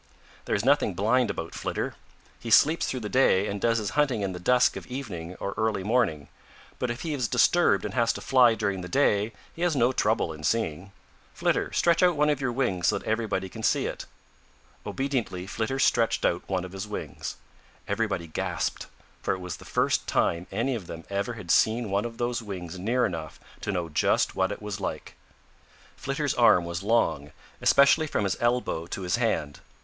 "There is nothing blind about Flitter. He sleeps through the day and does his hunting in the dusk of evening or early morning, but if he is disturbed and has to fly during the day, he has no trouble in seeing. Flitter, stretch out one of your wings so that everybody can see it." Obediently Flitter stretched out one of his wings. Everybody gasped, for it was the first time any of them ever had seen one of those wings near enough to know just what it was like. Flitter's arm was long, especially from his elbow to his hand.